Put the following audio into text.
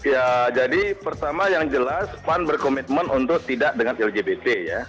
ya jadi pertama yang jelas pan berkomitmen untuk tidak dengan lgbt ya